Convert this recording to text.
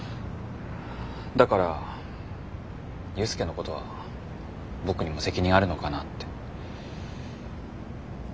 だから裕介のことは僕にも責任あるのかなって。